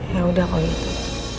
ya udah kalau gitu